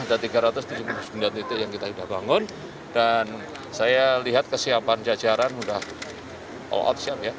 ada tiga ratus tujuh puluh sembilan titik yang kita sudah bangun dan saya lihat kesiapan jajaran sudah all outshop ya